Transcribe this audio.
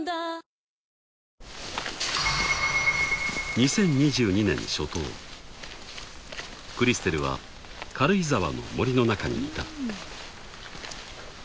［２０２２年初冬クリステルは軽井沢の森の中にいた］